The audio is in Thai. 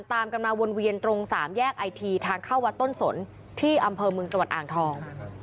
ตามกันมาวนเวียนตรงสามแยกไอทีทางเข้าวัดต้นสนที่อำเภอเมืองจังหวัดอ่างทอง